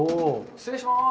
失礼します！